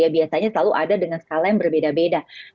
biasanya selalu ada dengan skala yang berbeda beda